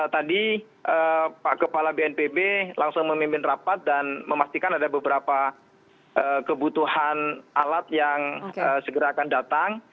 tadi pak kepala bnpb langsung memimpin rapat dan memastikan ada beberapa kebutuhan alat yang segera akan datang